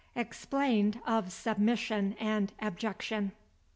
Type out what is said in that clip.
EXPLAINED OF SUBMISSION AND ABJECTION.